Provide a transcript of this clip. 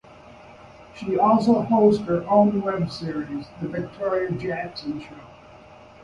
She also hosts her own web series, "The Victoria Jackson Show".